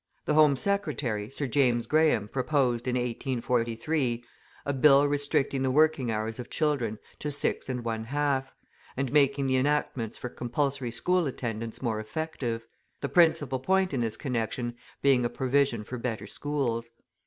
The Home Secretary, Sir James Graham, proposed, in 1843, a bill restricting the working hours of children to six and one half, and making the enactments for compulsory school attendance more effective; the principal point in this connection being a provision for better schools.